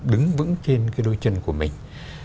đứng vững trên cái đôi chân của mình